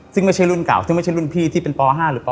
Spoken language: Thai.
ซึ่งไม่ใช่รุ่นเก่าซึ่งไม่ใช่รุ่นพี่ที่เป็นป๕หรือป